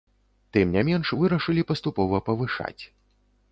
Тым не менш, вырашылі паступова павышаць.